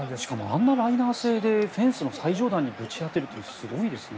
あんなライナー性でフェンス最上段にぶち当てるってすごいですね。